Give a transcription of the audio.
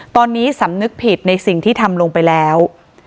ตอนนี้สำนึกผิดในสิ่งที่ทำลงไปแล้ว